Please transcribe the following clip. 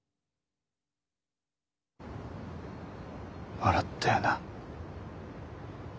笑ったよな。